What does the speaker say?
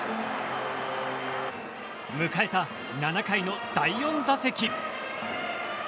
迎えた７回の第４打席。